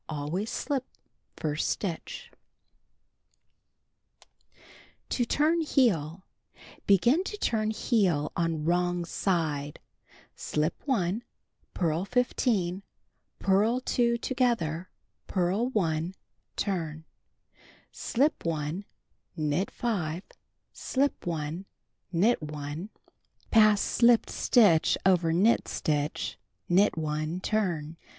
Always slip first stitch. To Turn Heel: Begin to turn heel on wrong side. Slip 1, purl 15, purl 2 together, purl 1, turn. Slip 1, knit 5, slip 1, knit 1, pass slipped stitch over knit stitch, knit 1, turn.